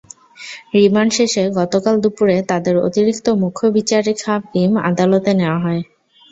Remand শেষে গতকাল দুপুরে তাঁদের অতিরিক্ত মুখ্য বিচারিক হাকিম আদালতে নেওয়া হয়।